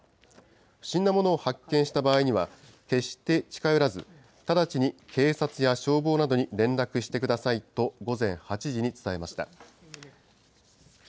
不審なものを発見した場合には、決して近寄らず、直ちに警察や消防などに連絡してくださいと午前８時に伝えました。